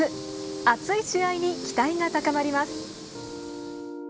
熱い試合に期待が高まります。